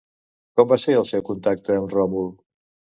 Com va ser el seu contacte amb Ròmul?